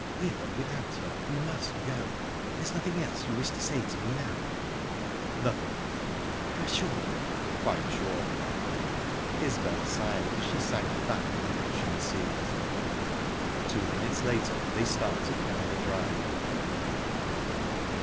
"With or without her, we must go...There's nothing else you wish to say to me now?" "Nothing." "You are sure?" "Quite sure." Isbel sighed, as she sank back on the cushioned seat. Two minutes later they started down the drive.